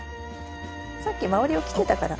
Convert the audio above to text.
さっき周りを切ってたから。